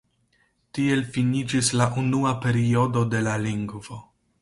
Tiel finiĝis la unua periodo de la lingvo.